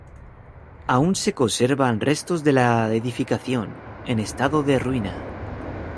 Aún se conservan restos de la edificación, en estado de ruina.